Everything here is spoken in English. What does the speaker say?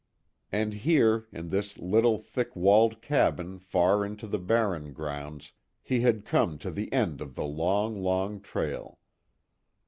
And here, in this little thick walled cabin far into the barren grounds, he had come to the end of the long, long trail.